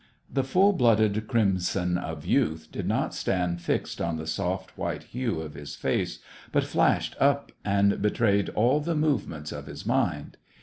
The full blooded crimson of youth did not stand fixed on the soft, white hue of his face, but flashed up and betrayed all the movements of his mind.